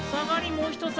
もう一皿！